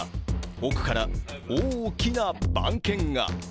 奥から大きな番犬が。